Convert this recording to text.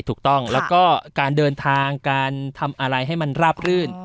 ถูกต้องแล้วก็การเดินทางการทำอะไรให้มันราบรื่น